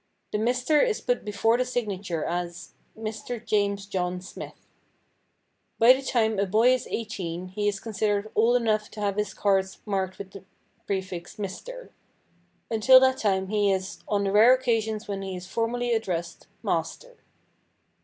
The "Mr." is put before the signature as, "Mr. James John Smith." By the time a boy is eighteen he is considered old enough to have his cards marked with the prefix "Mr." Until that time, he is, on the rare occasions when he is formally addressed, "Master."